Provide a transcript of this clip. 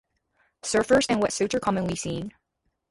Surfers in wet suits are commonly seen.